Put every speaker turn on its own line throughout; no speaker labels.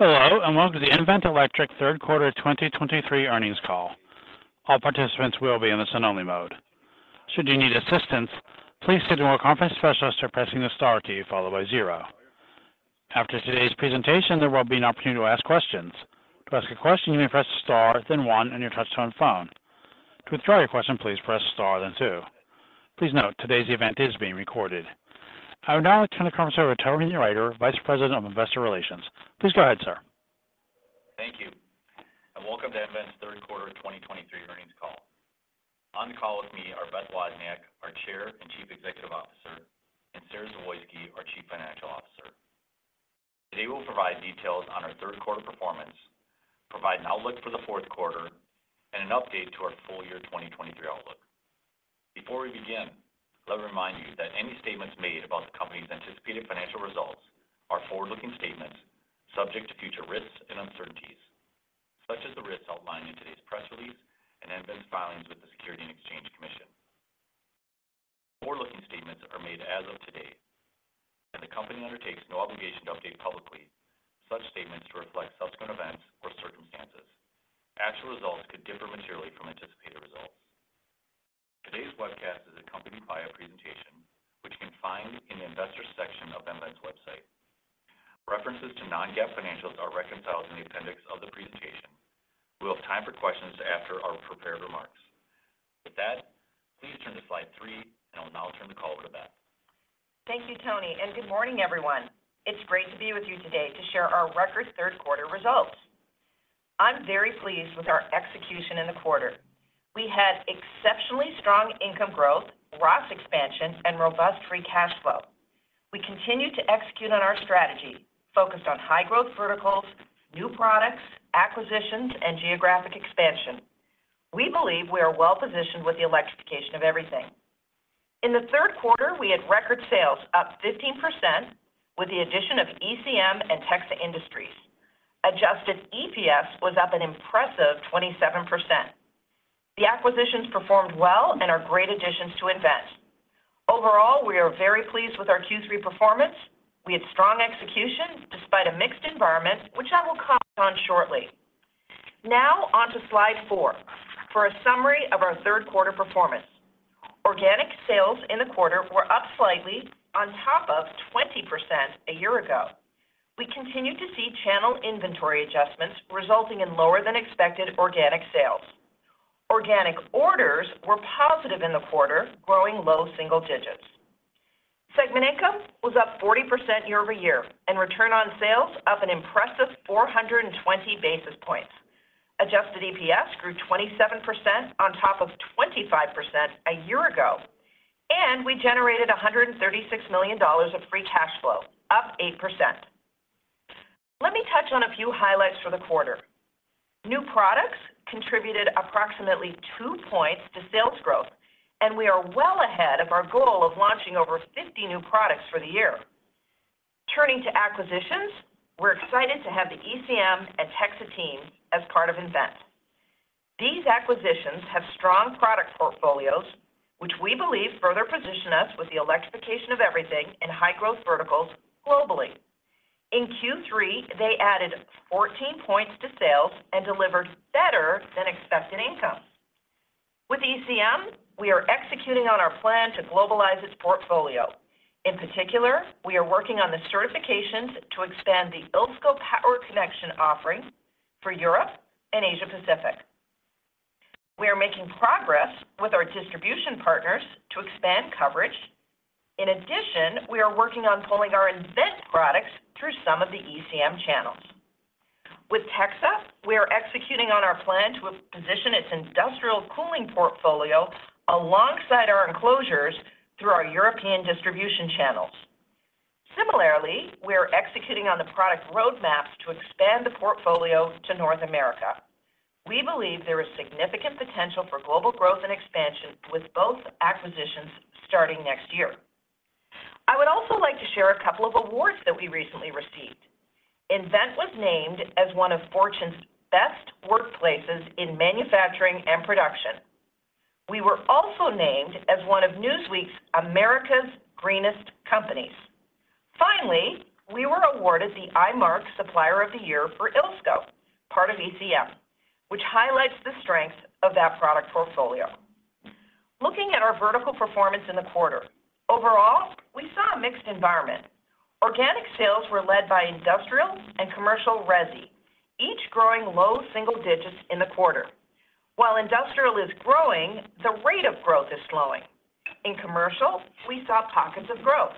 Hello, and welcome to the nVent Electric third quarter 2023 earnings call. All participants will be in listen-only mode. Should you need assistance, please signal a conference specialist by pressing the star key, followed by zero. After today's presentation, there will be an opportunity to ask questions. To ask a question, you may press star, then one on your touchtone phone. To withdraw your question, please press star, then two. Please note, today's event is being recorded. I would now like to turn the call over to Tony Riter, Vice President of Investor Relations. Please go ahead, sir.
Thank you, and welcome to nVent's third quarter 2023 earnings call. On the call with me are Beth Wozniak, our Chair and Chief Executive Officer, and Sara Zawoyski, our Chief Financial Officer. Today, we'll provide details on our third quarter performance, provide an outlook for the fourth quarter, and an update to our full year 2023 outlook. Before we begin, let me remind you that any statements made about the company's anticipated financial results are forward-looking statements, subject to future risks and uncertainties, such as the risks outlined in today's press release and nVent's filings with the Securities and Exchange Commission. Forward-looking statements are made as of today, and the company undertakes no obligation to update publicly such statements to reflect subsequent events or circumstances. Actual results could differ materially from anticipated results. Today's webcast is accompanied by a presentation, which you can find in the investors section of nVent's website. References to non-GAAP financials are reconciled in the appendix of the presentation. We'll have time for questions after our prepared remarks. With that, please turn to slide three, and I'll now turn the call over to Beth.
Thank you, Tony, and good morning, everyone. It's great to be with you today to share our record third quarter results. I'm very pleased with our execution in the quarter. We had exceptionally strong income growth, gross expansion, and robust free cash flow. We continued to execute on our strategy, focused on high-growth verticals, new products, acquisitions, and geographic expansion. We believe we are well-positioned with the Electrification of Everything. In the third quarter, we had record sales up 15% with the addition of ECM and TEXA Industries. Adjusted EPS was up an impressive 27%. The acquisitions performed well and are great additions to nVent. Overall, we are very pleased with our Q3 performance. We had strong execution despite a mixed environment, which I will comment on shortly. Now on to slide four. For a summary of our third quarter performance. Organic sales in the quarter were up slightly on top of 20% a year ago. We continued to see channel inventory adjustments, resulting in lower than expected organic sales. Organic orders were positive in the quarter, growing low single digits. Segment income was up 40% year-over-year, and return on sales up an impressive 420 basis points. Adjusted EPS grew 27% on top of 25% a year ago, and we generated $136 million of free cash flow, up 8%. Let me touch on a few highlights for the quarter. New products contributed approximately 2 points to sales growth, and we are well ahead of our goal of launching over 50 new products for the year. Turning to acquisitions, we're excited to have the ECM and TEXA team as part of nVent. These acquisitions have strong product portfolios, which we believe further position us with the Electrification of Everything in high-growth verticals globally. In Q3, they added 14 points to sales and delivered better than expected income. With ECM, we are executing on our plan to globalize its portfolio. In particular, we are working on the certifications to expand the ILSCO power connection offering for Europe and Asia Pacific. We are making progress with our distribution partners to expand coverage. In addition, we are working on pulling our nVent products through some of the ECM channels. With TEXA, we are executing on our plan to position its industrial cooling portfolio alongside our Enclosures through our European distribution channels. Similarly, we are executing on the product roadmaps to expand the portfolio to North America. We believe there is significant potential for global growth and expansion with both acquisitions starting next year. I would also like to share a couple of awards that we recently received. nVent was named as one of Fortune's Best Workplaces in Manufacturing and Production. We were also named as one of Newsweek's America's Greenest Companies. Finally, we were awarded the IMARK Supplier of the Year for ILSCO, part of ECM, which highlights the strength of that product portfolio. Looking at our vertical performance in the quarter. Overall, we saw a mixed environment. Organic sales were led by industrial and commercial resi, each growing low single digits in the quarter. While industrial is growing, the rate of growth is slowing. In commercial, we saw pockets of growth.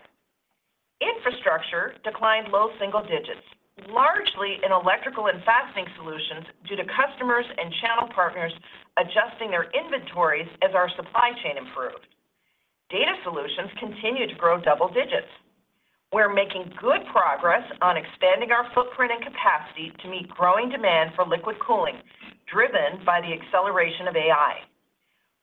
Infrastructure declined low single digits, largely in Electrical & Fastening Solutions, due to customers and channel partners adjusting their inventories as our supply chain improved. Data Solutions continued to grow double-digits. We're making good progress on expanding our footprint and capacity to meet growing demand for liquid cooling, driven by the acceleration of AI.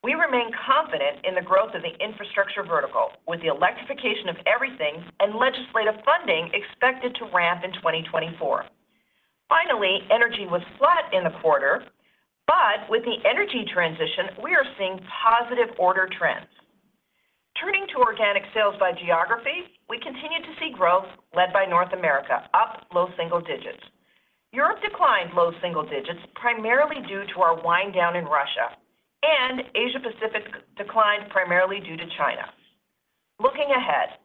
We remain confident in the growth of the infrastructure vertical, with the Electrification of Everything and legislative funding expected to ramp in 2024. Finally, energy was flat in the quarter, but with the energy transition, we are seeing positive order trends. Turning to organic sales by geography, we continued to see growth led by North America, up low single digits. Europe declined low single digits, primarily due to our wind down in Russia, and Asia Pacific declined primarily due to China. Looking ahead,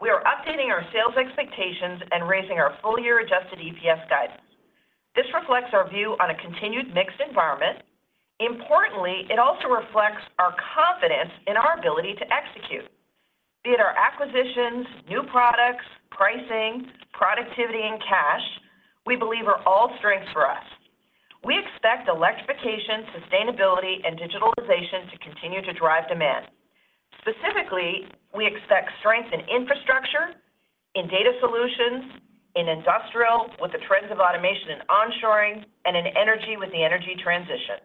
we are updating our sales expectations and raising our full year adjusted EPS guidance. This reflects our view on a continued mixed environment. Importantly, it also reflects our confidence in our ability to execute. Be it our acquisitions, new products, pricing, productivity, and cash, we believe are all strengths for us. We expect electrification, sustainability, and digitalization to continue to drive demand. Specifically, we expect strength in infrastructure, in Data Solutions, in industrial, with the trends of automation and onshoring, and in energy with the energy transition.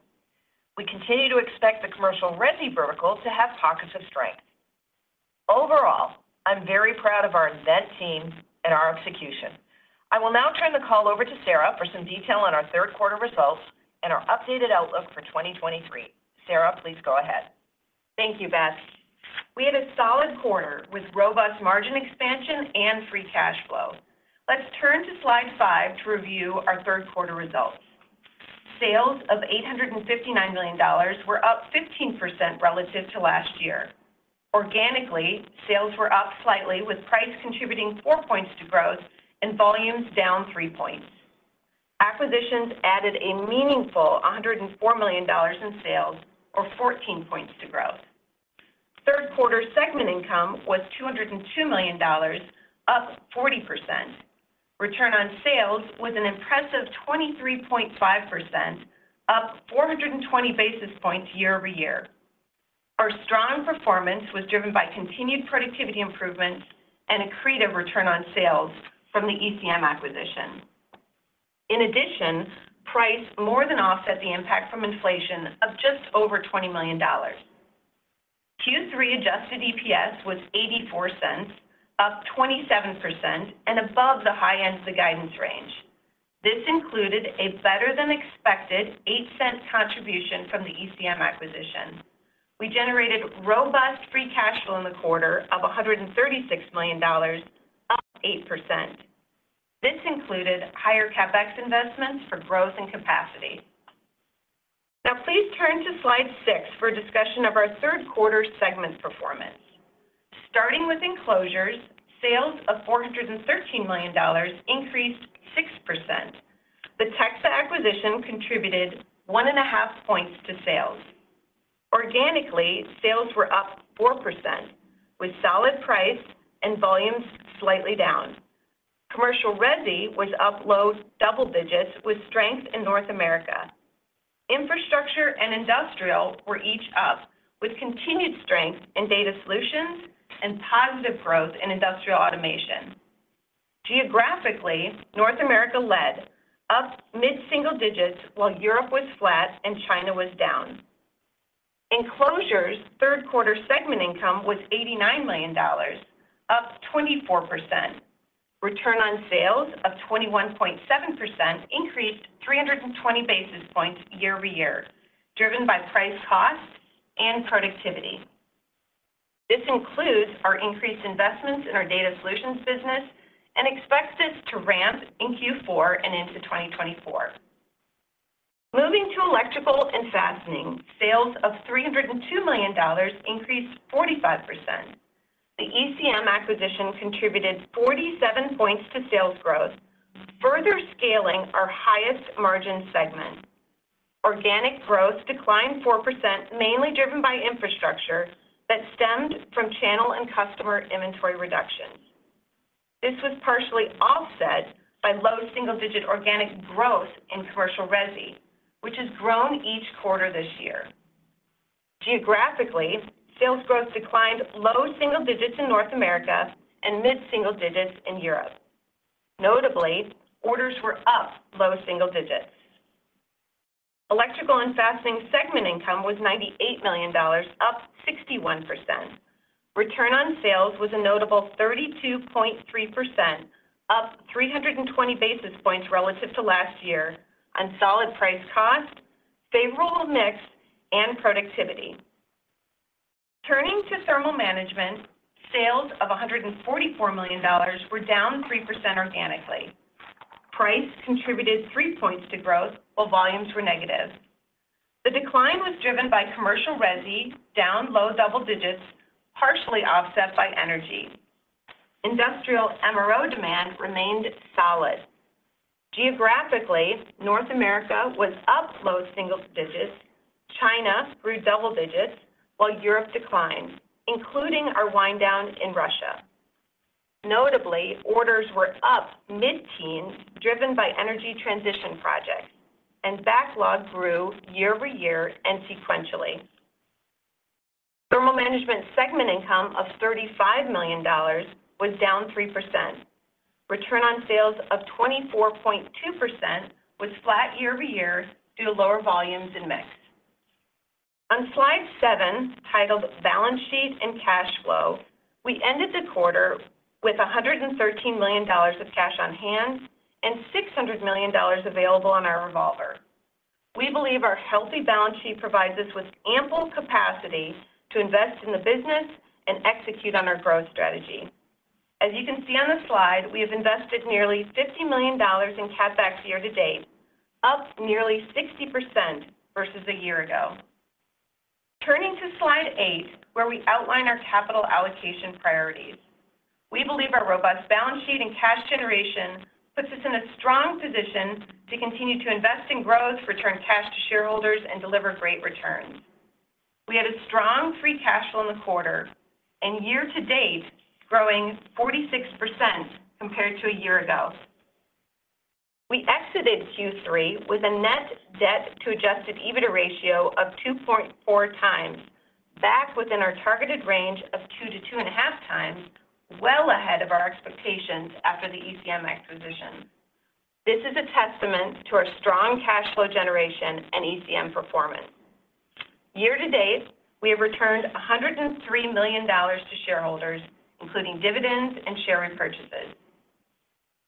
We continue to expect the commercial resi verticals to have pockets of strength. Overall, I'm very proud of our nVent teams and our execution. I will now turn the call over to Sara for some detail on our third quarter results and our updated outlook for 2023. Sara, please go ahead.
Thank you, Beth. We had a solid quarter with robust margin expansion and free cash flow. Let's turn to slide five to review our third quarter results. Sales of $859 million were up 15% relative to last year. Organically, sales were up slightly, with price contributing 4 points to growth and volumes down 3 points. Acquisitions added a meaningful $104 million in sales or 14 points to growth. Third quarter segment income was $202 million, up 40%. Return on sales was an impressive 23.5%, up 420 basis points year-over-year. Our strong performance was driven by continued productivity improvements and accretive return on sales from the ECM acquisition. In addition, price more than offset the impact from inflation of just over $20 million. Q3 adjusted EPS was $0.84, up 27% and above the high end of the guidance range. This included a better than expected $0.08 contribution from the ECM acquisition. We generated robust free cash flow in the quarter of $136 million, up 8%. This included higher CapEx investments for growth and capacity. Now, please turn to slide six for a discussion of our third quarter segment performance. Starting with Enclosures, sales of $413 million increased 6%. The TEXA acquisition contributed 1.5 points to sales. Organically, sales were up 4%, with solid price and volumes slightly down. Commercial resi was up low double-digits with strength in North America. Infrastructure and industrial were each up, with continued strength in Data Solutions and positive growth in industrial automation. Geographically, North America led, up mid-single digits, while Europe was flat and China was down. Enclosures third quarter segment income was $89 million, up 24%. Return on sales of 21.7% increased 320 basis points year-over-year, driven by price cost and productivity. This includes our increased investments in our Data Solutions business and expects this to ramp in Q4 and into 2024. Moving to Electrical & Fastening, sales of $302 million increased 45%. The ECM acquisition contributed 47 points to sales growth, further scaling our highest margin segment. Organic growth declined 4%, mainly driven by infrastructure that stemmed from channel and customer inventory reductions. This was partially offset by low single-digit organic growth in commercial resi, which has grown each quarter this year. Geographically, sales growth declined low single digits in North America and mid single digits in Europe. Notably, orders were up low single digits. Electrical & Fastening segment income was $98 million, up 61%. Return on sales was a notable 32.3%, up 320 basis points relative to last year on solid price cost, favorable mix, and productivity. Turning to Thermal Management, sales of $144 million were down 3% organically. Price contributed 3 points to growth, while volumes were negative. The decline was driven by commercial resi, down low double-digits, partially offset by energy. Industrial MRO demand remained solid. Geographically, North America was up low single digits. China grew double-digits, while Europe declined, including our wind down in Russia. Notably, orders were up mid-teens, driven by energy transition projects, and backlog grew year over year and sequentially. Thermal Management segment income of $35 million was down 3%. Return on sales of 24.2% was flat year-over-year due to lower volumes and mix. On slide seven, titled Balance Sheet and Cash Flow, we ended the quarter with $113 million of cash on hand and $600 million available on our revolver. We believe our healthy balance sheet provides us with ample capacity to invest in the business and execute on our growth strategy. As you can see on the slide, we have invested nearly $50 million in CapEx year-to-date, up nearly 60% versus a year ago. Turning to slide eight, where we outline our capital allocation priorities. We believe our robust balance sheet and cash generation puts us in a strong position to continue to invest in growth, return cash to shareholders, and deliver great returns. We had a strong free cash flow in the quarter and year-to-date, growing 46% compared to a year ago. We exited Q3 with a net debt to adjusted EBITDA ratio of 2.4x, back within our targeted range of 2-2.5 times, well ahead of our expectations after the ECM acquisition. This is a testament to our strong cash flow generation and ECM performance. Year-to-date, we have returned $103 million to shareholders, including dividends and share repurchases.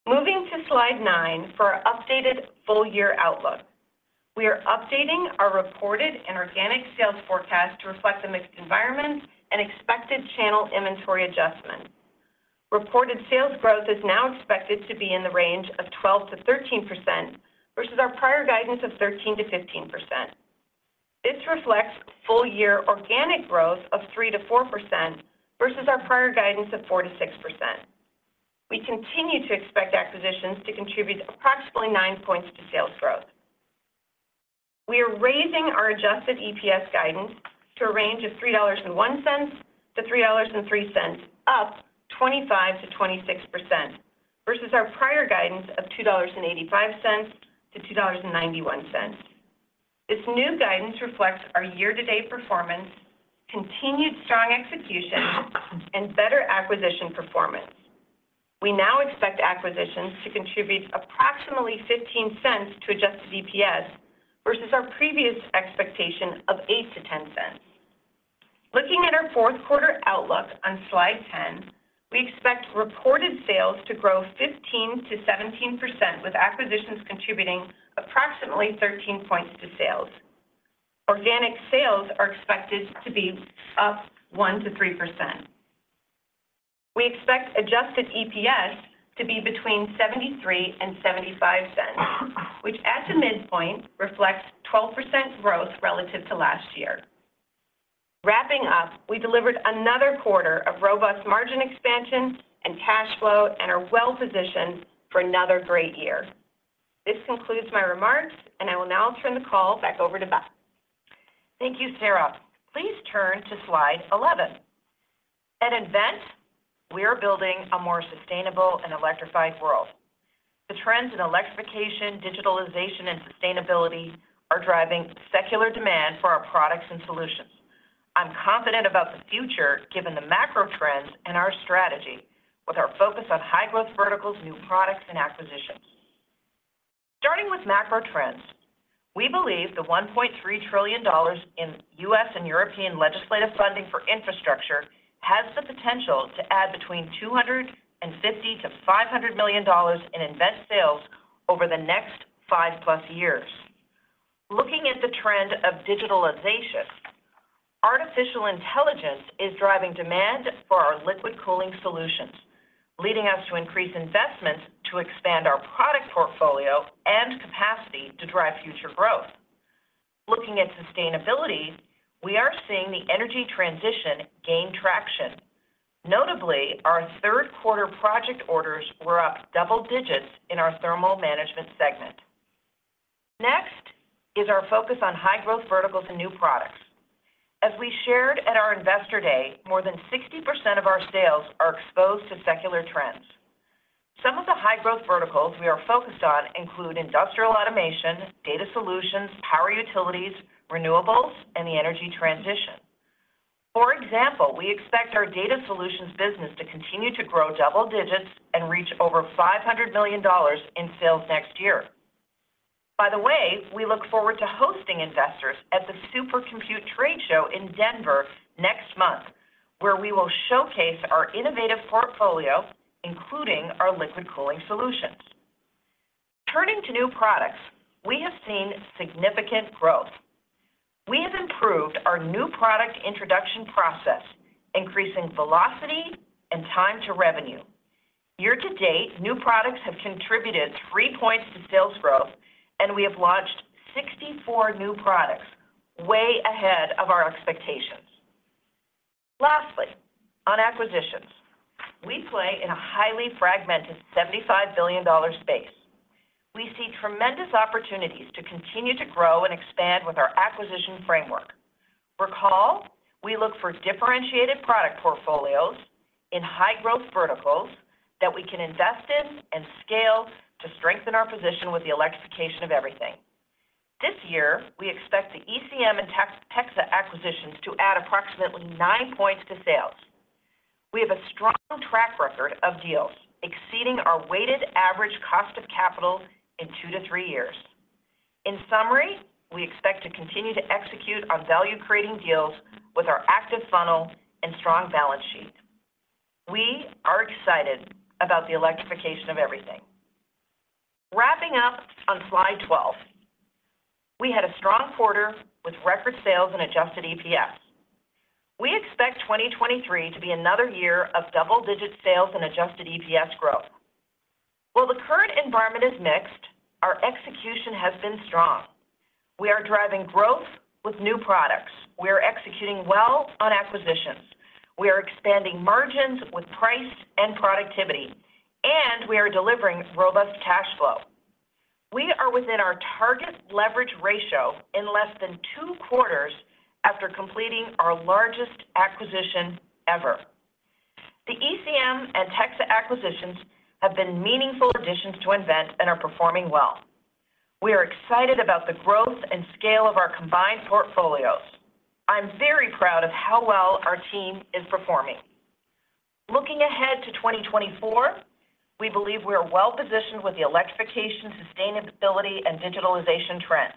Moving to slide nine for our updated full-year outlook. We are updating our reported and organic sales forecast to reflect a mixed environment and expected channel inventory adjustment. Reported sales growth is now expected to be in the range of 12%-13%, versus our prior guidance of 13%-15%. This reflects full-year organic growth of 3%-4%, versus our prior guidance of 4%-6%. We continue to expect acquisitions to contribute approximately 9 points to sales growth. We are raising our adjusted EPS guidance to a range of $3.01-$3.03, up 25%-26%, versus our prior guidance of $2.85-$2.91. This new guidance reflects our year-to-date performance, continued strong execution, and better acquisition performance. We now expect acquisitions to contribute approximately $0.15 to adjusted EPS, versus our previous expectation of $0.08-$0.10. Looking at our fourth quarter outlook on slide 10, we expect reported sales to grow 15%-17%, with acquisitions contributing approximately 13 points to sales. Organic sales are expected to be up 1%-3%. We expect adjusted EPS to be between $0.73 and $0.75, which at the midpoint, reflects 12% growth relative to last year. Wrapping up, we delivered another quarter of robust margin expansion and cash flow and are well positioned for another great year. This concludes my remarks, and I will now turn the call back over to Beth.
Thank you, Sara. Please turn to slide 11. At nVent, we are building a more sustainable and electrified world. The trends in electrification, digitalization, and sustainability are driving secular demand for our products and solutions. I'm confident about the future, given the macro trends and our strategy, with our focus on high-growth verticals, new products, and acquisitions. Starting with macro trends, we believe the $1.3 trillion in U.S. and European legislative funding for infrastructure has the potential to add between $250 million-$500 million in nVent sales over the next five-plus years. Looking at the trend of digitalization, artificial intelligence is driving demand for our liquid cooling solutions, leading us to increase investments to expand our product portfolio and capacity to drive future growth. Looking at sustainability, we are seeing the energy transition gain traction. Notably, our third quarter project orders were up double-digits in our Thermal Management segment. Next is our focus on high-growth verticals and new products. As we shared at our Investor Day, more than 60% of our sales are exposed to secular trends. Some of the high-growth verticals we are focused on include industrial automation, data solutions, power utilities, renewables, and the energy transition. For example, we expect our Data Solutions business to continue to grow double-digits and reach over $500 million in sales next year. By the way, we look forward to hosting investors at the Supercompute Trade Show in Denver next month, where we will showcase our innovative portfolio, including our liquid cooling solutions. Turning to new products, we have seen significant growth. We have improved our new product introduction process, increasing velocity and time to revenue. Year-to-date, new products have contributed 3 points to sales growth, and we have launched 64 new products, way ahead of our expectations. Lastly, on acquisitions, we play in a highly fragmented $75 billion space. We see tremendous opportunities to continue to grow and expand with our acquisition framework. Recall, we look for differentiated product portfolios in high-growth verticals that we can invest in and scale to strengthen our position with the Electrification of Everything. This year, we expect the ECM and TEXA acquisitions to add approximately 9 points to sales. We have a strong track record of deals, exceeding our weighted average cost of capital in two to three years. In summary, we expect to continue to execute on value-creating deals with our active funnel and strong balance sheet.... We are excited about the Electrification of Everything. Wrapping up on slide 12, we had a strong quarter with record sales and adjusted EPS. We expect 2023 to be another year of double-digit sales and adjusted EPS growth. While the current environment is mixed, our execution has been strong. We are driving growth with new products. We are executing well on acquisitions. We are expanding margins with price and productivity, and we are delivering robust cash flow. We are within our target leverage ratio in less than two quarters after completing our largest acquisition ever. The ECM and TEXA acquisitions have been meaningful additions to nVent and are performing well. We are excited about the growth and scale of our combined portfolios. I'm very proud of how well our team is performing. Looking ahead to 2024, we believe we are well positioned with the electrification, sustainability, and digitalization trends.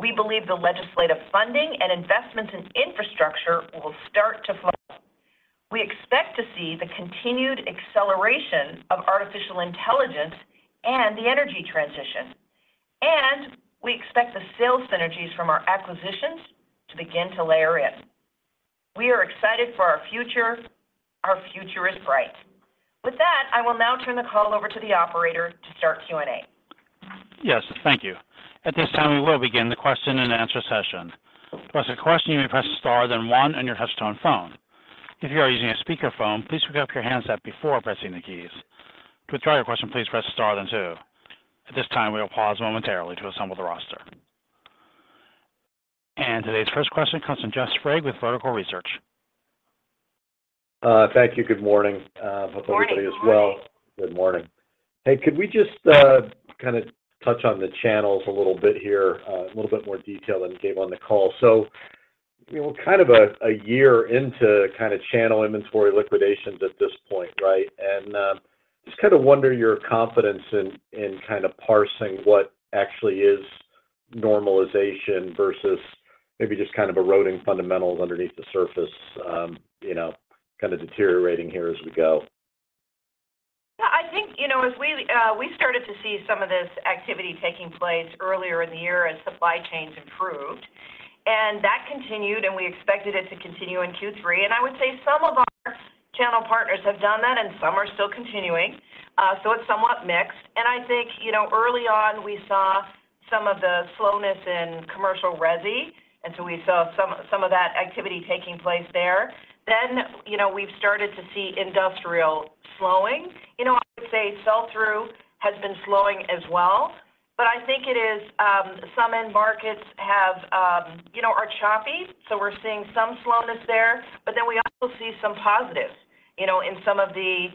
We believe the legislative funding and investments in infrastructure will start to flow. We expect to see the continued acceleration of artificial intelligence and the energy transition, and we expect the sales synergies from our acquisitions to begin to layer in. We are excited for our future. Our future is bright. With that, I will now turn the call over to the operator to start Q&A.
Yes, thank you. At this time, we will begin the question and answer session. To ask a question, you may press star, then one on your touch-tone phone. If you are using a speakerphone, please pick up your handset before pressing the keys. To withdraw your question, please press star, then two. At this time, we will pause momentarily to assemble the roster. Today's first question comes from Jeff Sprague with Vertical Research.
Thank you. Good morning to everybody as well.
Good morning.
Good morning. Hey, could we just kind of touch on the channels a little bit here, a little bit more detail than you gave on the call? So, you know, kind of a year into kind of channel inventory liquidations at this point, right? And, just kind of wonder your confidence in kind of parsing what actually is normalization versus maybe just kind of eroding fundamentals underneath the surface, you know, kind of deteriorating here as we go.
Yeah, I think, you know, as we started to see some of this activity taking place earlier in the year as supply chains improved, and that continued, and we expected it to continue in Q3. And I would say some of our channel partners have done that, and some are still continuing. So it's somewhat mixed. And I think, you know, early on, we saw some of the slowness in commercial resi, and so we saw some of that activity taking place there. Then, you know, we've started to see industrial slowing. You know, I would say sell-through has been slowing as well, but I think it is some end markets have, you know, are choppy, so we're seeing some slowness there, but then we also see some positives. You know, in some of the,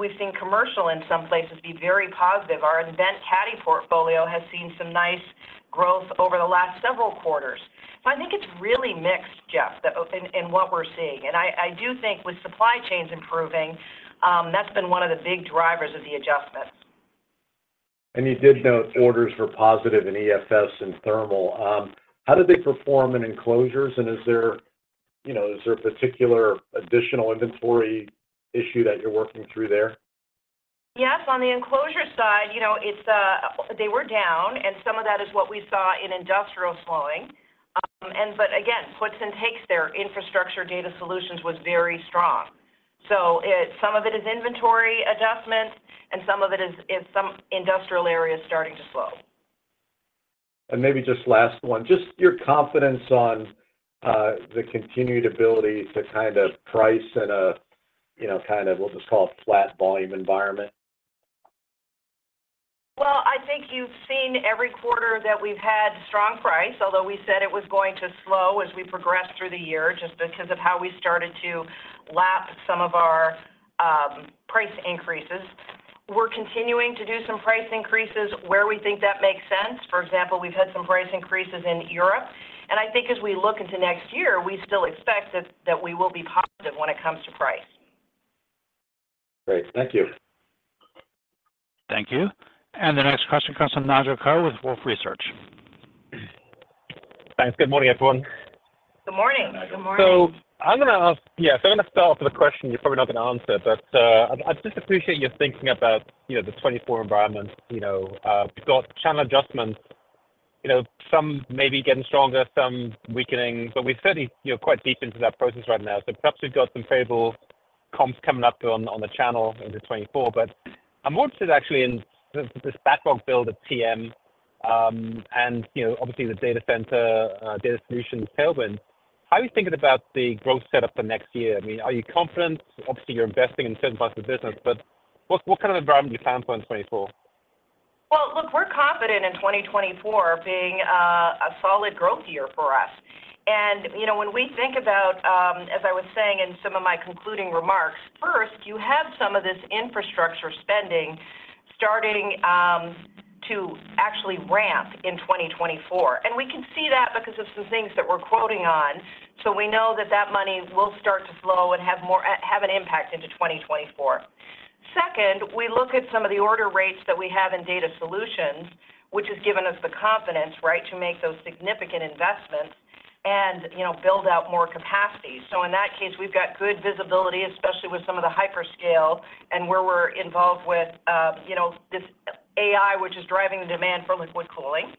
we've seen commercial in some places be very positive. Our nVent CADDY portfolio has seen some nice growth over the last several quarters. So I think it's really mixed, Jeff, in what we're seeing. And I do think with supply chains improving, that's been one of the big drivers of the adjustments.
You did note orders were positive in EFS and Thermal. How did they perform in Enclosures, and is there, you know, is there a particular additional inventory issue that you're working through there?
Yes. On the Enclosure side, you know, it's, they were down, and some of that is what we saw in industrial slowing. But again, what's interesting there, infrastructure Data Solutions was very strong. So, some of it is inventory adjustments, and some of it is some industrial areas starting to slow.
Maybe just last one, just your confidence on the continued ability to kind of price in a, you know, kind of, we'll just call it flat volume environment?
Well, I think you've seen every quarter that we've had strong price, although we said it was going to slow as we progressed through the year, just because of how we started to lap some of our price increases. We're continuing to do some price increases where we think that makes sense. For example, we've had some price increases in Europe, and I think as we look into next year, we still expect that, that we will be positive when it comes to price.
Great. Thank you.
Thank you. The next question comes from Nigel Coe with Wolfe Research.
Thanks. Good morning, everyone.
Good morning.
Good morning.
So I'm going to start off with a question you're probably not going to answer, but I'd just appreciate your thinking about, you know, the 2024 environment. You know, we've got channel adjustments, you know, some maybe getting stronger, some weakening, but we're certainly, you know, quite deep into that process right now. So perhaps we've got some favorable comps coming up on the channel into 2024. But I'm more interested actually in this backlog build at TM, and, you know, obviously the data center, Data Solutions tailwind. How are you thinking about the growth setup for next year? I mean, are you confident? Obviously, you're investing in certain parts of the business, but what kind of environment are you planning for in 2024?
Well, look, we're confident in 2024 being a solid growth year for us. And, you know, when we think about, as I was saying in some of my concluding remarks, first, you have some of this infrastructure spending starting to actually ramp in 2024, and we can see that because of some things that we're quoting on. So we know that that money will start to flow and have more impact into 2024. Second, we look at some of the order rates that we have in Data Solutions, which has given us the confidence, right, to make those significant investments and, you know, build out more capacity. So in that case, we've got good visibility, especially with some of the hyperscale and where we're involved with, you know, this AI, which is driving the demand for liquid cooling.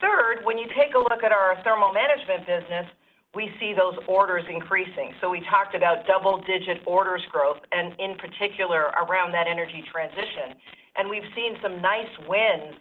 Third, when you take a look at our Thermal Management business, we see those orders increasing. So we talked about double-digit orders growth, and in particular, around that energy transition. And we've seen some nice wins,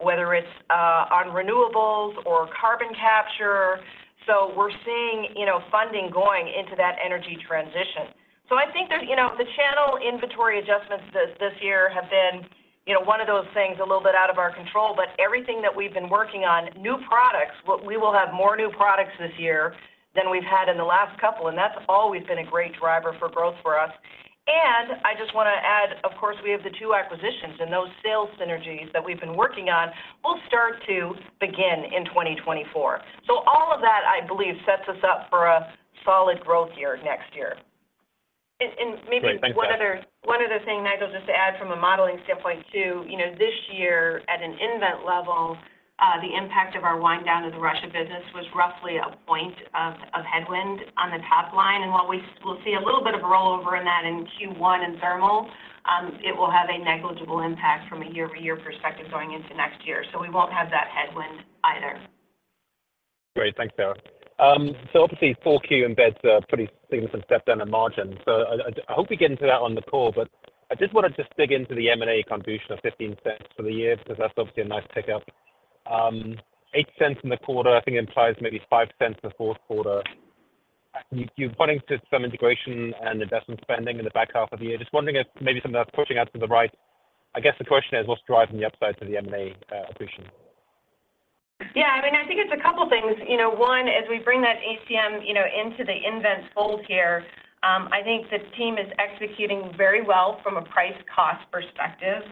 whether it's on renewables or carbon capture. So we're seeing, you know, funding going into that energy transition. So I think there's, you know, the channel inventory adjustments this, this year have been, you know, one of those things a little bit out of our control, but everything that we've been working on, new products, we will have more new products this year than we've had in the last couple, and that's always been a great driver for growth for us. And I just want to add, of course, we have the two acquisitions, and those sales synergies that we've been working on will start to begin in 2024. All of that, I believe, sets us up for a solid growth year next year.
And maybe-
Great. Thanks, Beth.
One other, one other thing, Nigel, just to add from a modeling standpoint, too. You know, this year, at an nVent level, the impact of our wind down of the Russia business was roughly a point of headwind on the top line. And while we will see a little bit of a rollover in that in Q1 and Thermal, it will have a negligible impact from a year-over-year perspective going into next year. So we won't have that headwind either.
Great. Thanks, Sara. So obviously, 4Q, M&A are pretty, seeing some step down in margin. So I hope we get into that on the call, but I just wanted to dig into the M&A contribution of $0.15 for the year, because that's obviously a nice pickup. $0.08 in the quarter, I think it implies maybe $0.05 in the fourth quarter. You're pointing to some integration and investment spending in the back half of the year. Just wondering if maybe some of that's pushing out to the right. I guess the question is, what's driving the upside to the M&A appreciation?
Yeah, I mean, I think it's a couple of things. You know, one, as we bring that ECM, you know, into the nVent fold here, I think the team is executing very well from a price-cost perspective.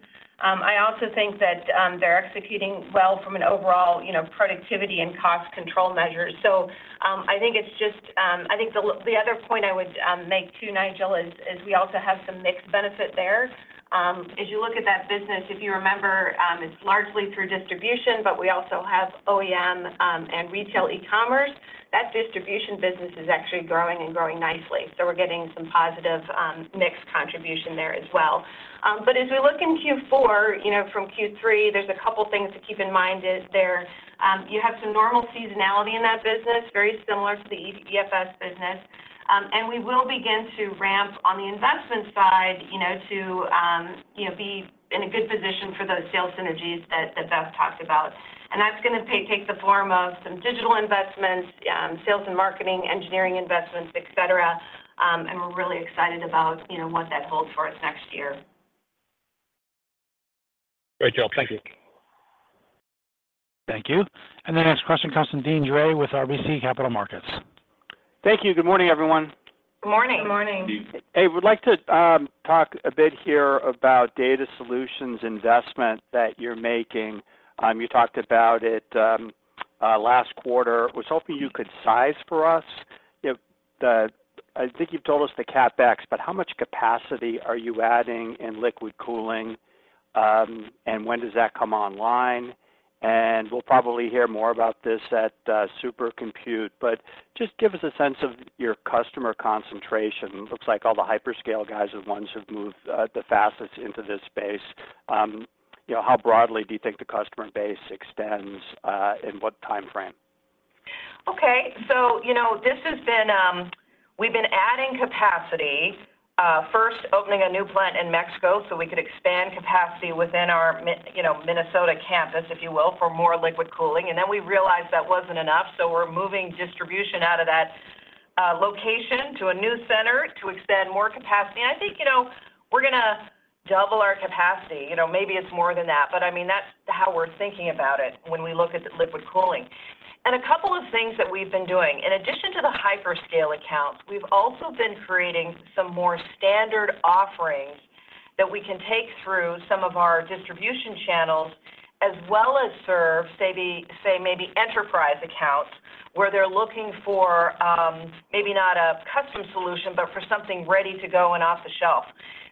I also think that, they're executing well from an overall, you know, productivity and cost control measure. So, I think it's just, I think the other point I would make too, Nigel, is, is we also have some mixed benefit there. As you look at that business, if you remember, it's largely through distribution, but we also have OEM, and retail e-commerce. That distribution business is actually growing and growing nicely, so we're getting some positive, mixed contribution there as well. But as we look in Q4, you know, from Q3, there's a couple of things to keep in mind is there. You have some normal seasonality in that business, very similar to the EFS business. And we will begin to ramp on the investment side, you know, to, you know, be in a good position for those sales synergies that, that Beth talked about. And that's going to take the form of some digital investments, sales and marketing, engineering investments, et cetera. And we're really excited about, you know, what that holds for us next year.
Great, Job. Thank you.
Thank you. The next question comes from Dean Dray with RBC Capital Markets.
Thank you. Good morning, everyone.
Good morning.
Good morning.
Hey, would like to talk a bit here about Data Solutions investment that you're making. You talked about it last quarter. Was hoping you could size for us. You know, I think you've told us the CapEx, but how much capacity are you adding in liquid cooling, and when does that come online? We'll probably hear more about this at the Supercompute, but just give us a sense of your customer concentration. It looks like all the hyperscale guys are the ones who've moved the fastest into this space. You know, how broadly do you think the customer base extends, in what time frame?
Okay. So, you know, this has been... We've been adding capacity, first opening a new plant in Mexico, so we could expand capacity within our Minnesota campus, if you will, for more liquid cooling. And then we realized that wasn't enough, so we're moving distribution out of that location to a new center to expand more capacity. And I think, you know, we're going to double our capacity. You know, maybe it's more than that, but I mean, that's how we're thinking about it when we look at the liquid cooling. And a couple of things that we've been doing. In addition to the hyperscale accounts, we've also been creating some more standard offerings that we can take through some of our distribution channels, as well as serve, say, the maybe enterprise accounts, where they're looking for, maybe not a custom solution, but for something ready to go and off the shelf.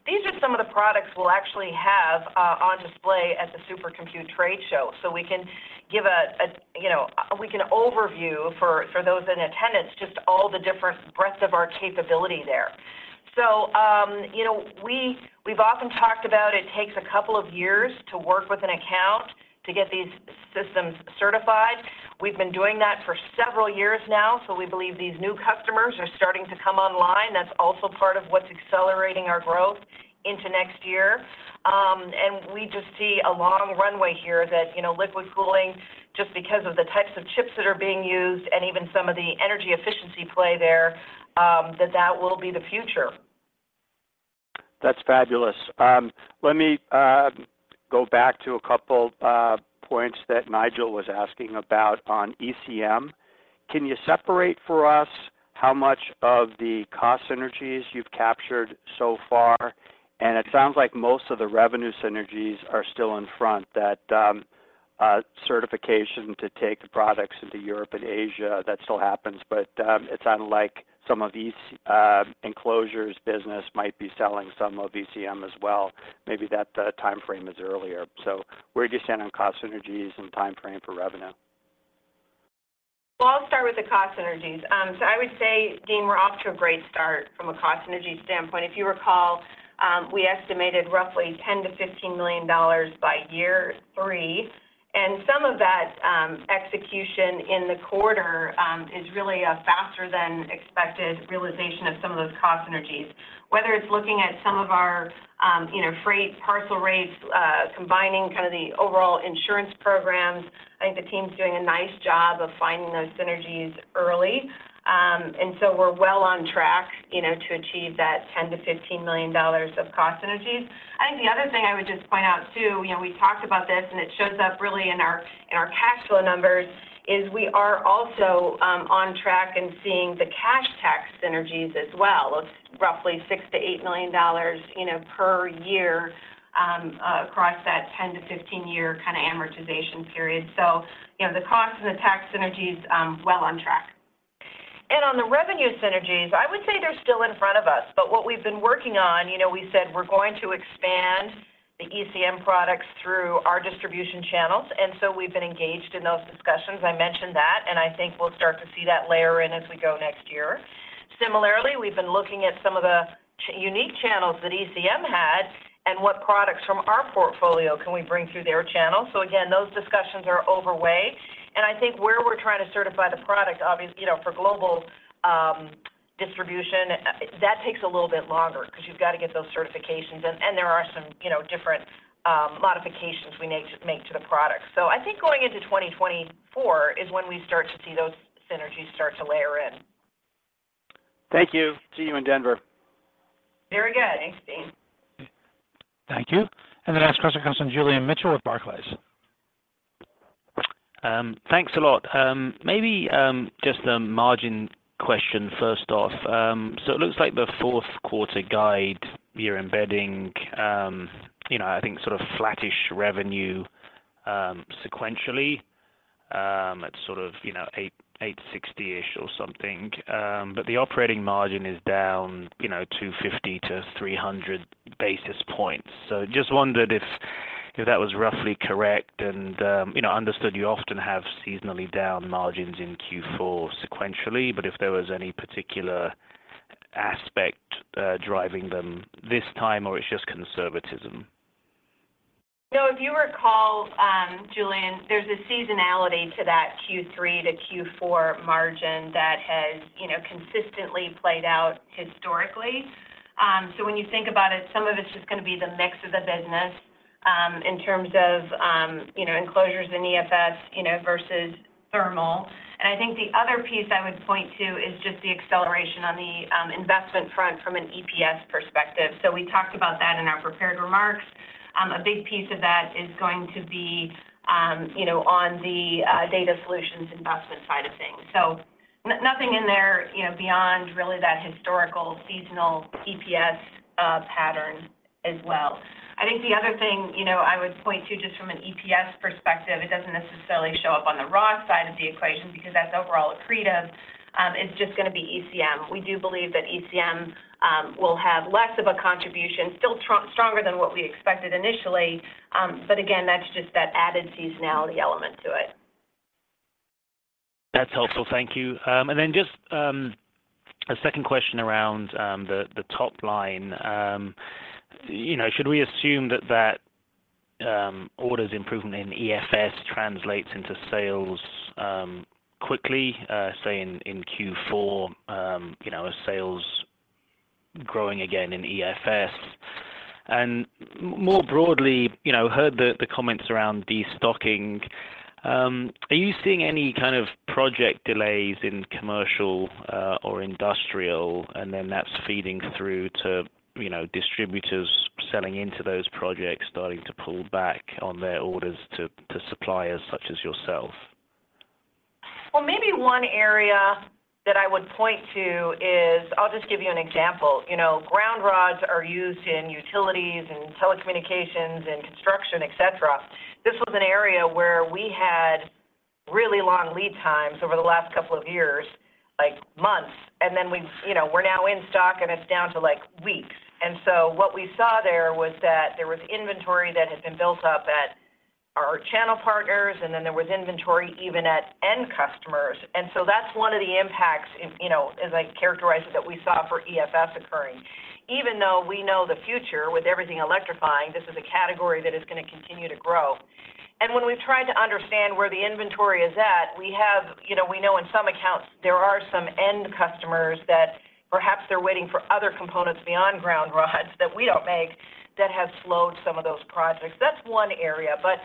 These are some of the products we'll actually have on display at the Supercompute Trade Show. So we can give a, you know, we can overview for those in attendance, just all the different breadth of our capability there. So, you know, we've often talked about it takes a couple of years to work with an account to get these systems certified. We've been doing that for several years now, so we believe these new customers are starting to come online. That's also part of what's accelerating our growth into next year. And we just see a long runway here that, you know, liquid cooling, just because of the types of chips that are being used and even some of the energy efficiency play there, that that will be the future.
That's fabulous. Let me go back to a couple points that Nigel was asking about on ECM. Can you separate for us how much of the cost synergies you've captured so far? And it sounds like most of the revenue synergies are still in front, that certification to take the products into Europe and Asia. That still happens, but it sounds like some of these Enclosures business might be selling some of ECM as well. Maybe that time frame is earlier. So where do you stand on cost synergies and time frame for revenue?
Well, I'll start with the cost synergies. So I would say, Dean, we're off to a great start from a cost synergy standpoint. If you recall, we estimated roughly $10 million-$15 million by year three, and some of that execution in the quarter is really a faster than expected realization of some of those cost synergies. Whether it's looking at some of our, you know, freight, parcel rates, combining kind of the overall insurance programs, I think the team's doing a nice job of finding those synergies early. And so we're well on track, you know, to achieve that $10 million-$15 million of cost synergies. I think the other thing I would just point out, too, you know, we talked about this, and it shows up really in our, in our cash flow numbers, is we are also on track in seeing the cash tax synergies as well, of roughly $6 million-$8 million, you know, per year, across that 10- to 15-year kind of amortization period. So, you know, the cost and the tax synergies, well on track. On the revenue synergies, I would say they're still in front of us, but what we've been working on, you know, we said we're going to expand the ECM products through our distribution channels, and so we've been engaged in those discussions. I mentioned that, and I think we'll start to see that layer in as we go next year. Similarly, we've been looking at some of the unique channels that ECM had and what products from our portfolio can we bring through their channel. So again, those discussions are underway, and I think where we're trying to certify the product, you know, for global distribution, that takes a little bit longer because you've got to get those certifications, and there are some, you know, different modifications we need to make to the product. I think going into 2024 is when we start to see those synergies start to layer in.
Thank you. See you in Denver.
Very good. Thanks, Dean.
Thank you. And the next question comes from Julian Mitchell with Barclays.
Thanks a lot. Maybe, just a margin question first off. So it looks like the fourth quarter guide, you're embedding, you know, I think sort of flattish revenue, sequentially. At sort of, you know, 860-ish or something. But the operating margin is down, you know, 250 basis points-300 basis points. So just wondered if that was roughly correct and, you know, understood you often have seasonally down margins in Q4 sequentially, but if there was any particular aspect, driving them this time, or it's just conservatism?
So if you recall, Julian, there's a seasonality to that Q3 to Q4 margin that has, you know, consistently played out historically. So when you think about it, some of it's just going to be the mix of the business, in terms of, you know, Enclosures in EFS, you know, versus Thermal. And I think the other piece I would point to is just the acceleration on the, investment front from an EPS perspective. So we talked about that in our prepared remarks. A big piece of that is going to be, you know, on the, Data Solutions investment side of things. So nothing in there, you know, beyond really that historical seasonal EPS, pattern as well. I think the other thing, you know, I would point to just from an EPS perspective, it doesn't necessarily show up on the Enclosure side of the equation because that's overall accretive, is just going to be ECM. We do believe that ECM will have less of a contribution, still stronger than what we expected initially, but again, that's just that added seasonality element to it.
That's helpful. Thank you. And then just a second question around the top line. You know, should we assume that orders improvement in EFS translates into sales quickly, say, in Q4, you know, as sales growing again in EFS? And more broadly, you know, heard the comments around destocking. Are you seeing any kind of project delays in commercial or industrial, and then that's feeding through to, you know, distributors selling into those projects, starting to pull back on their orders to suppliers such as yourself?
Well, maybe one area that I would point to is... I'll just give you an example. You know, ground rods are used in utilities and telecommunications and construction, et cetera. This was an area where we had really long lead times over the last couple of years, like months, and then we, you know, we're now in stock, and it's down to, like, weeks. And so what we saw there was that there was inventory that had been built up at our channel partners, and then there was inventory even at end customers. And so that's one of the impacts, you know, as I characterize it, that we saw for EFS occurring. Even though we know the future, with everything electrifying, this is a category that is going to continue to grow. And when we've tried to understand where the inventory is at, we have, you know, we know in some accounts there are some end customers that perhaps they're waiting for other components beyond ground rods that we don't make, that have slowed some of those projects. That's one area, but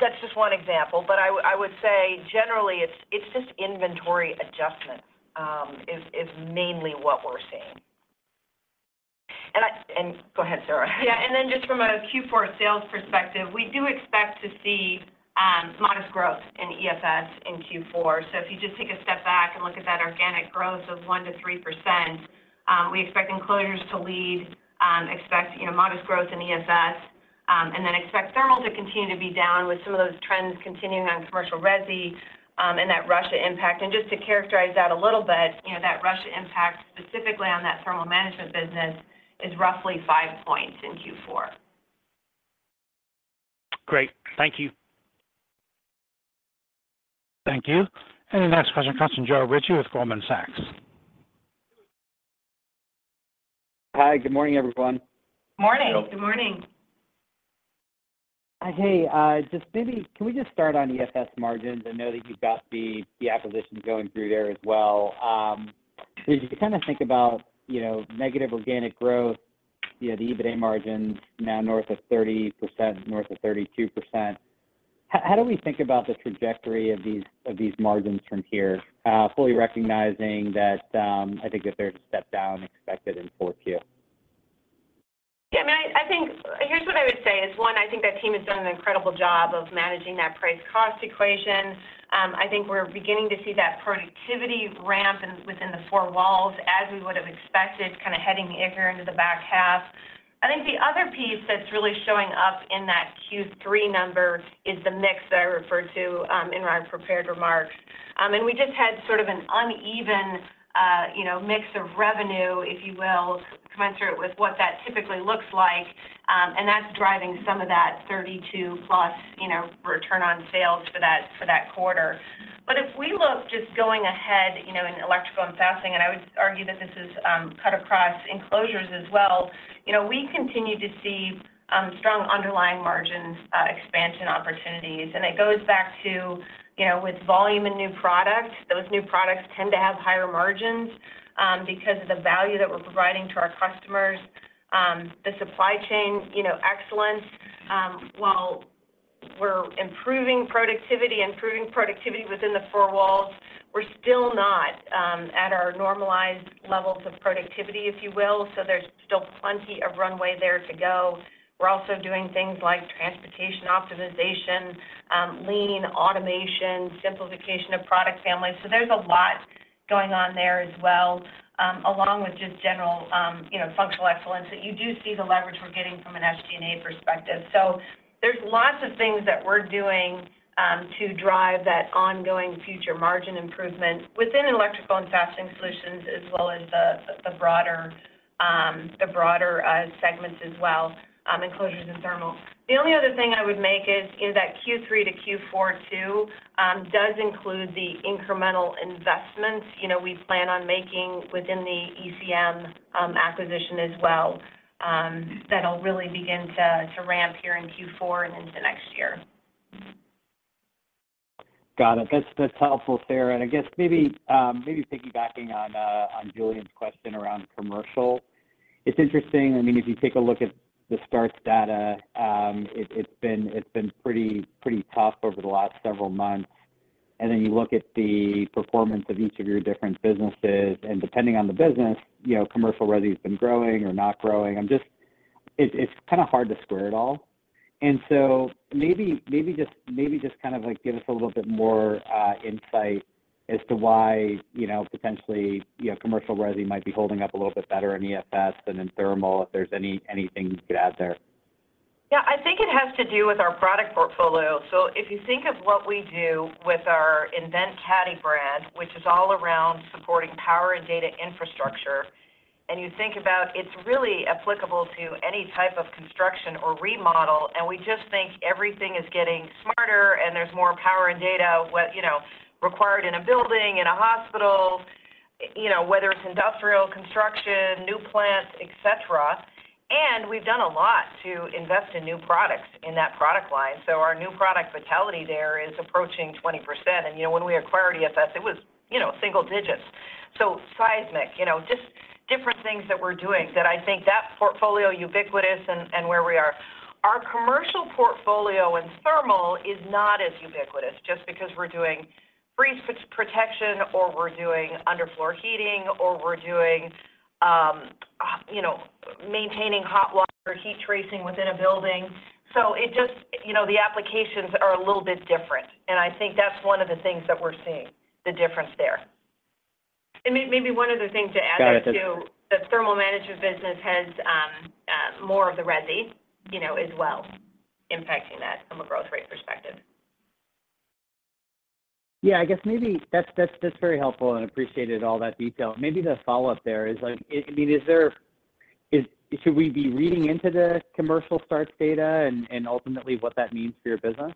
that's just one example. But I would say, generally, it's just inventory adjustment is mainly what we're seeing. And go ahead, Sara.
Yeah, and then just from a Q4 sales perspective, we do expect to see modest growth in EFS in Q4. So if you just take a step back and look at that organic growth of 1%-3%, we expect Enclosures to lead, expect, you know, modest growth in EFS, and then expect Thermal to continue to be down with some of those trends continuing on commercial resi, and that Russia impact. And just to characterize that a little bit, you know, that Russia impact, specifically on that Thermal Management business, is roughly 5 points in Q4.
Great. Thank you.
Thank you. The next question comes from Joe Ritchie with Goldman Sachs.
Hi, good morning, everyone.
Morning.
Good morning.
Hey, just maybe can we just start on EFS margins? I know that you've got the acquisition going through there as well. As you kind of think about, you know, negative organic growth, you know, the EBITDA margin now north of 30%, north of 32%, how do we think about the trajectory of these margins from here? Fully recognizing that, I think that they're a step down expected in Q4.
Yeah, I mean, I think here's what I would say is, one, I think that team has done an incredible job of managing that price cost equation. I think we're beginning to see that productivity ramp within the four walls, as we would have expected, kind of heading into the back half. I think the other piece that's really showing up in that Q3 number is the mix that I referred to in my prepared remarks. And we just had sort of an uneven, you know, mix of revenue, if you will, commensurate with what that typically looks like, and that's driving some of that 32+, you know, return on sales for that quarter. But if we look just going ahead, you know, in Electrical & Fastening, and I would argue that this is cut across Enclosures as well, you know, we continue to see strong underlying margins, expansion opportunities. And it goes back to, you know, with volume and new product, those new products tend to have higher margins because of the value that we're providing to our customers, the supply chain, you know, excellence. While we're improving productivity, improving productivity within the four walls, we're still not at our normalized levels of productivity, if you will, so there's still plenty of runway there to go. We're also doing things like transportation optimization, lean automation, simplification of product families. So there's a lot going on there as well, along with just general, you know, functional excellence, that you do see the leverage we're getting from an SG&A perspective. So there's lots of things that we're doing, to drive that ongoing future margin improvement within Electrical & Fastening Solutions, as well as the broader segments as well, Enclosures and Thermal. The only other thing I would make is that Q3 to Q4 too does include the incremental investments, you know, we plan on making within the ECM acquisition as well, that'll really begin to ramp here in Q4 and into next year.
Got it. That's, that's helpful, Sara. And I guess maybe, maybe piggybacking on, on Julian's question around commercial, it's interesting, I mean, if you take a look at the starts data, it, it's been, it's been pretty, pretty tough over the last several months. And then you look at the performance of each of your different businesses, and depending on the business, you know, commercial resi has been growing or not growing. I'm just. It's, it's kind of hard to square it all. And so maybe, maybe just, maybe just kind of, like, give us a little bit more, insight as to why, you know, potentially, you know, commercial resi might be holding up a little bit better in EFS than in Thermal, if there's any, anything you could add there.
Yeah, I think it has to do with our product portfolio. So if you think of what we do with our nVent CADDY brand, which is all around supporting power and data infrastructure, and you think about it's really applicable to any type of construction or remodel, and we just think everything is getting smarter and there's more power and data, you know, required in a building, in a hospital, you know, whether it's industrial construction, new plants, et cetera. And we've done a lot to invest in new products in that product line. So our new product vitality there is approaching 20%. And, you know, when we acquired EFS, it was, you know, single digits. So seismic, you know, just different things that we're doing that I think that portfolio ubiquitous and, and where we are. Our commercial portfolio in Thermal is not as ubiquitous, just because we're doing freeze protection, or we're doing underfloor heating, or we're doing, you know, maintaining hot water, heat tracing within a building. So it just, you know, the applications are a little bit different, and I think that's one of the things that we're seeing, the difference there.
And maybe one other thing to add there, too.
Got it.
The Thermal Management business has more of the residential, you know, as well, impacting that from a growth rate perspective.
Yeah, I guess maybe that's very helpful and appreciated, all that detail. Maybe the follow-up there is, like, I mean, is there—should we be reading into the commercial starts data and ultimately what that means for your business?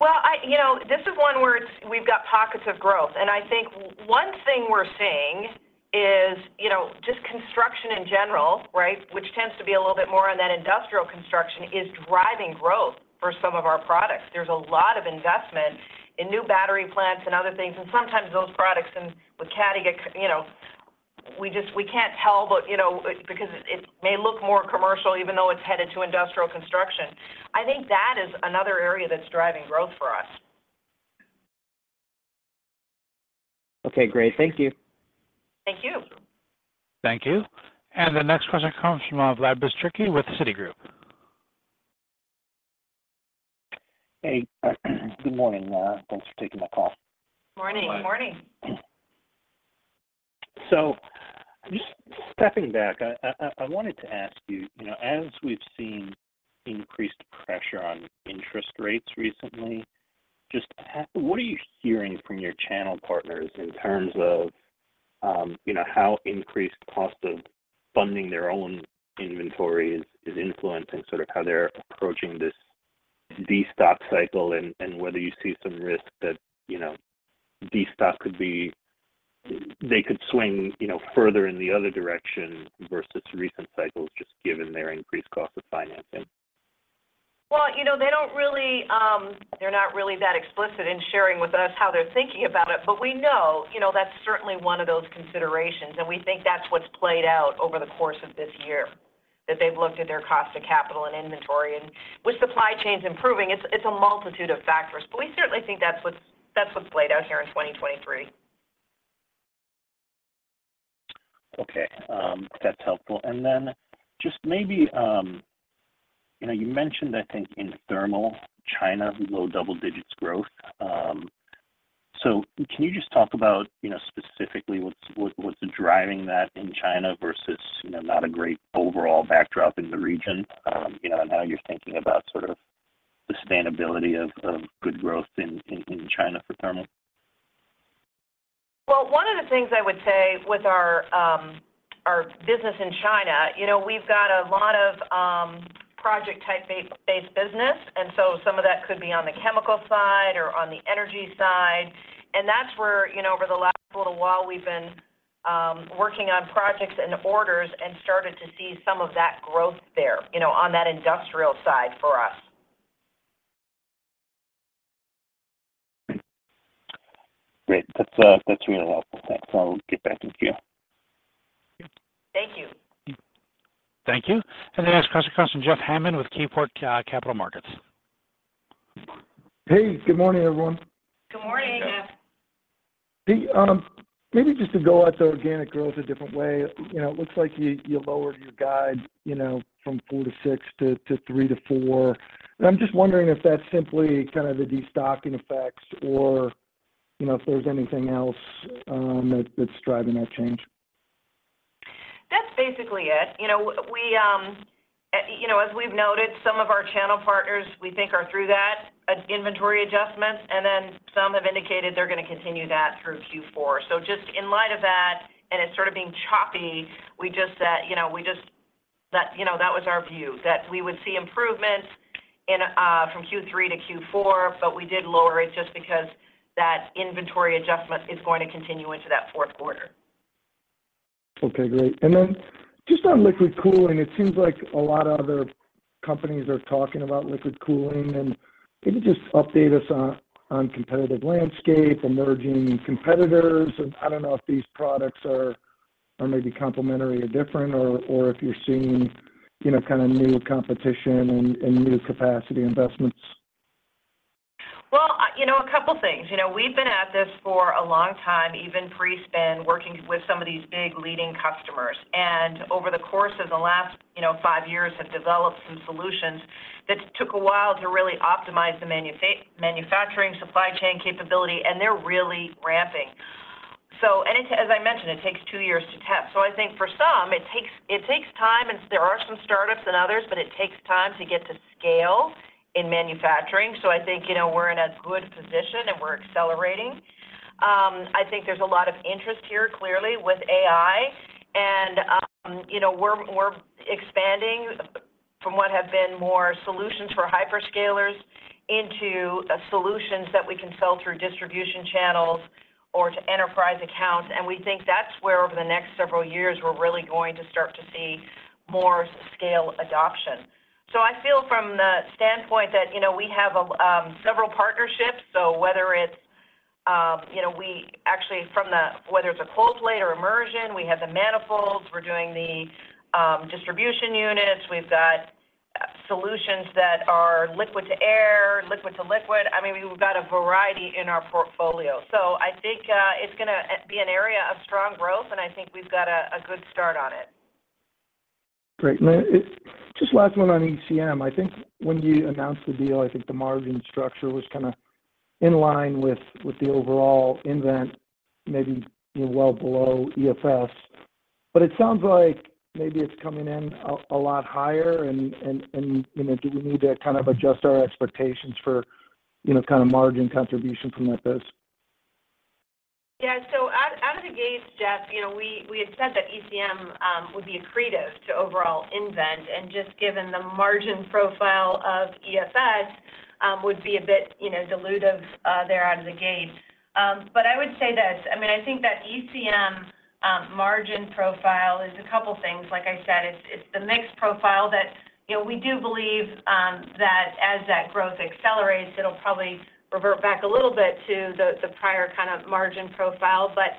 Well, I, you know, this is one where it's, we've got pockets of growth, and I think one thing we're seeing is, you know, just construction in general, right, which tends to be a little bit more on that industrial construction, is driving growth for some of our products. There's a lot of investment in new battery plants and other things, and sometimes those products and with CADDY get, you know, we just, we can't tell, but, you know, because it may look more commercial, even though it's headed to industrial construction. I think that is another area that's driving growth for us.
Okay, great. Thank you.
Thank you.
Thank you. The next question comes from, Vlad Bystricky with Citigroup.
Hey, good morning. Thanks for taking my call.
Morning,
Good morning.
So just stepping back, I wanted to ask you, you know, as we've seen increased pressure on interest rates recently, just what are you hearing from your channel partners in terms of, you know, how increased cost of funding their own inventory is influencing sort of how they're approaching this destock cycle? And whether you see some risk that, you know, destock could be—they could swing, you know, further in the other direction versus recent cycles, just given their increased cost of financing.
Well, you know, they don't really... They're not really that explicit in sharing with us how they're thinking about it, but we know, you know, that's certainly one of those considerations, and we think that's what's played out over the course of this year, that they've looked at their cost of capital and inventory. And with supply chains improving, it's, it's a multitude of factors. But we certainly think that's what's, that's what's played out here in 2023.
Okay. That's helpful. And then just maybe, you know, you mentioned, I think in Thermal, China, low-double-digits growth. So can you just talk about, you know, specifically, what's driving that in China versus, you know, not a great overall backdrop in the region? You know, and how you're thinking about sort of the sustainability of good growth in China for Thermal?
Well, one of the things I would say with our business in China, you know, we've got a lot of project type based business, and so some of that could be on the chemical side or on the energy side. And that's where, you know, over the last little while, we've been working on projects and orders and started to see some of that growth there, you know, on that industrial side for us.
Great. That's, that's really helpful. Thanks. I'll get back to you.
Thank you.
Thank you. The next question comes from Jeff Hammond with KeyBanc Capital Markets.
Hey, good morning, everyone.
Good morning.
Hey, maybe just to go at the organic growth a different way. You know, it looks like you lowered your guide, you know, from four to six to six to four. And I'm just wondering if that's simply kind of the destocking effects or, you know, if there's anything else that that's driving that change?
That's basically it. You know, we, you know, as we've noted, some of our channel partners, we think, are through that inventory adjustment, and then some have indicated they're going to continue that through Q4. So just in light of that, and it sort of being choppy, we just said, you know, we just. That, you know, that was our view, that we would see improvements in, from Q3 to Q4, but we did lower it just because that inventory adjustment is going to continue into that fourth quarter.
Okay, great. Just on liquid cooling, it seems like a lot of other companies are talking about liquid cooling. Maybe just update us on competitive landscape, emerging competitors. I don't know if these products are maybe complementary or different or if you're seeing, you know, kind of new competition and new capacity investments.
Well, you know, a couple of things. You know, we've been at this for a long time, even pre-spin, working with some of these big leading customers, and over the course of the last, you know, five years, have developed some solutions that took a while to really optimize the manufacturing supply chain capability, and they're really ramping. So, and it, as I mentioned, it takes two years to test. So I think for some, it takes, it takes time, and there are some startups than others, but it takes time to get to scale in manufacturing. So I think, you know, we're in a good position and we're accelerating. I think there's a lot of interest here, clearly, with AI, and, you know, we're expanding from what have been more solutions for hyperscalers into solutions that we can sell through distribution channels or to enterprise accounts. And we think that's where over the next several years, we're really going to start to see more scale adoption. So I feel from the standpoint that, you know, we have several partnerships, so whether it's a cold plate or immersion, we have the manifolds, we're doing the distribution units, we've got solutions that are liquid to air, liquid to liquid. I mean, we've got a variety in our portfolio. So I think it's going to be an area of strong growth, and I think we've got a good start on it.
Great. And then just last one on ECM. I think when you announced the deal, I think the margin structure was kind of in line with the overall nVent, maybe well below EFS. But it sounds like maybe it's coming in a lot higher and, you know, do we need to kind of adjust our expectations for, you know, kind of margin contribution from that business?
Yeah. So out of the gate, Jeff, you know, we had said that ECM would be accretive to overall nVent, and just given the margin profile of EFS would be a bit, you know, dilutive there out of the gate. But I would say that, I mean, I think that ECM margin profile is a couple things. Like I said, it's the mix profile that, you know, we do believe that as that growth accelerates, it'll probably revert back a little bit to the prior kind of margin profile. But-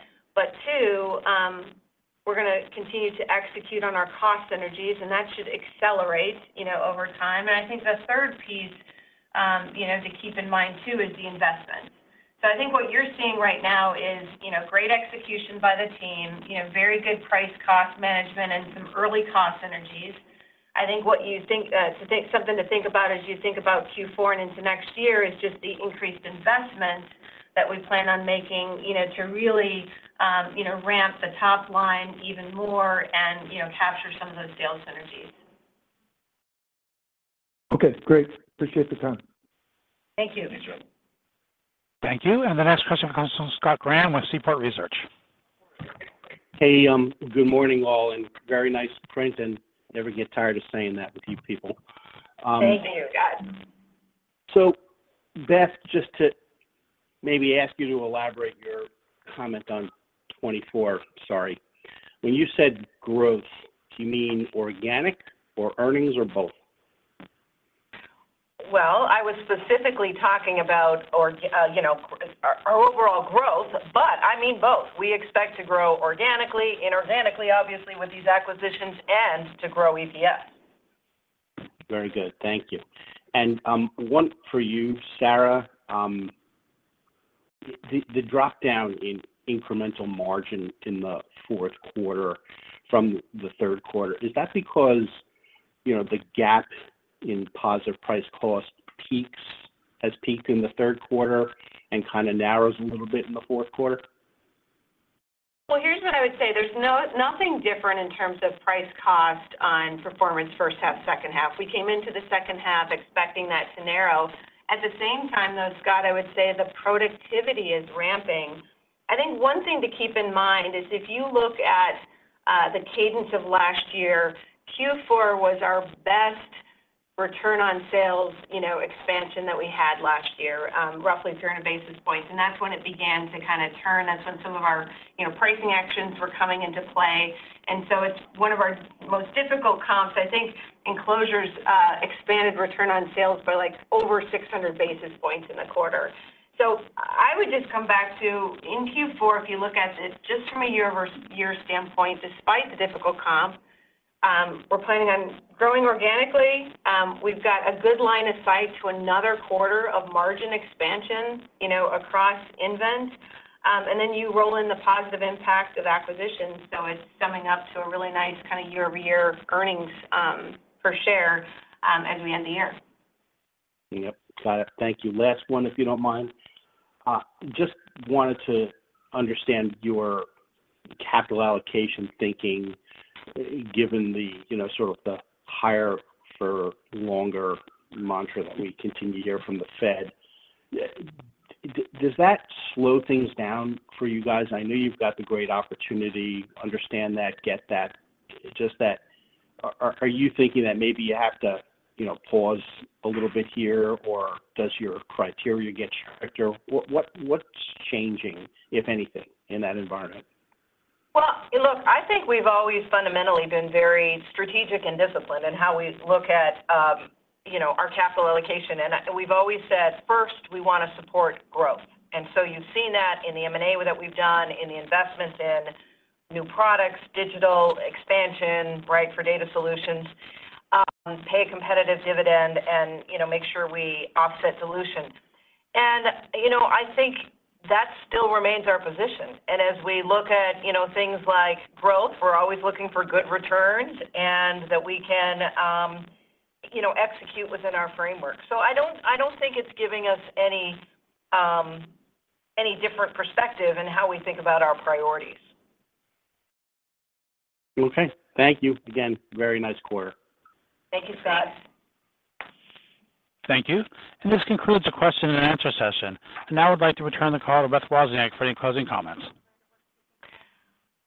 We're gonna continue to execute on our cost synergies, and that should accelerate, you know, over time. And I think the third piece, you know, to keep in mind too, is the investment. So I think what you're seeing right now is, you know, great execution by the team, you know, very good price cost management, and some early cost synergies. I think something to think about as you think about Q4 and into next year, is just the increased investment that we plan on making, you know, to really, you know, ramp the top line even more and, you know, capture some of those sales synergies.
Okay, great. Appreciate the time.
Thank you.
Thanks, Jeff.
Thank you. The next question comes from Scott Graham with Seaport Research.
Hey, good morning, all, and very nice print, and never get tired of saying that with you people.
Thank you, Scott.
So Beth, just to maybe ask you to elaborate your comment on 2024, sorry. When you said growth, do you mean organic or earnings or both?
Well, I was specifically talking about, you know, our overall growth, but I mean, both. We expect to grow organically, inorganically, obviously, with these acquisitions, and to grow EPS.
Very good. Thank you. And, one for you, Sara. The drop-down in incremental margin in the fourth quarter from the third quarter, is that because, you know, the gap in positive price cost peaks, has peaked in the third quarter and kind of narrows a little bit in the fourth quarter?
Well, here's what I would say: there's nothing different in terms of price cost on performance first half, second half. We came into the second half expecting that to narrow. At the same time, though, Scott, I would say the productivity is ramping. I think one thing to keep in mind is if you look at the cadence of last year, Q4 was our best return on sales, you know, expansion that we had last year, roughly 300 basis points, and that's when it began to kind of turn. That's when some of our, you know, pricing actions were coming into play. And so it's one of our most difficult comps. I think Enclosures expanded return on sales by, like, over 600 basis points in the quarter. So I would just come back to in Q4, if you look at it, just from a year-over-year standpoint, despite the difficult comp, we're planning on growing organically. We've got a good line of sight to another quarter of margin expansion, you know, across nVent. And then you roll in the positive impact of acquisitions, so it's summing up to a really nice kind of year-over-year earnings, per share, as we end the year.
Yep. Got it. Thank you. Last one, if you don't mind. Just wanted to understand your capital allocation thinking, given the, you know, sort of the higher for longer mantra that we continue to hear from the Fed. Does that slow things down for you guys? I know you've got the great opportunity, understand that, get that. Just that, are, are you thinking that maybe you have to, you know, pause a little bit here, or does your criteria get stricter? What, what, what's changing, if anything, in that environment?
Well, look, I think we've always fundamentally been very strategic and disciplined in how we look at, you know, our capital allocation. And we've always said, first, we want to support growth. And so you've seen that in the M&A that we've done, in the investment in new products, digital expansion, right for Data Solutions, pay a competitive dividend and, you know, make sure we offset dilution. And, you know, I think that still remains our position. And as we look at, you know, things like growth, we're always looking for good returns and that we can, you know, execute within our framework. So I don't, I don't think it's giving us any, any different perspective in how we think about our priorities.
Okay. Thank you. Again, very nice quarter.
Thank you, Scott.
Thank you. This concludes the question and answer session. Now I'd like to return the call to Beth Wozniak for any closing comments.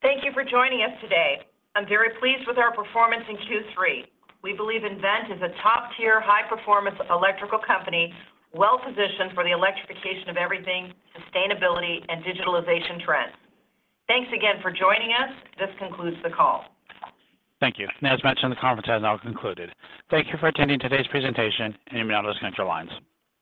Thank you for joining us today. I'm very pleased with our performance in Q3. We believe nVent is a top-tier, high-performance electrical company, well positioned for the Electrification of Everything, sustainability, and digitalization trends. Thanks again for joining us. This concludes the call.
Thank you. As mentioned, the conference has now concluded. Thank you for attending today's presentation, and you may now disconnect your lines.